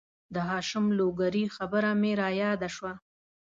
د هاشم لوګرې خبره مې را یاده شوه